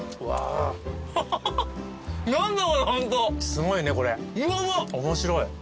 すごいねこれ面白い。